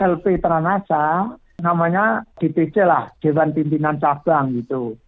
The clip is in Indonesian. lp tranasah namanya dpc lah dewan pimpinan sabang gitu